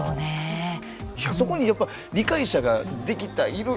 そこにやっぱ理解者ができたいる。